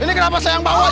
ini kenapa saya yang bawa